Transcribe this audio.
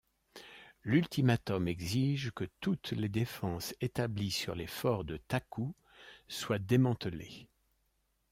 L'ultimatum exige que toutes les défenses établies sur les forts de Taku soient démantelées.